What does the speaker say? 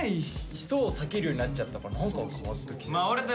人を避けるようになっちゃったから何か変わった。